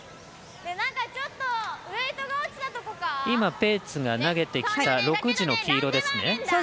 今、ペーツが投げてきた６時の黄色ですね。